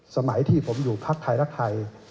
สมัยที่ผมอยู่พักไทยรักไทย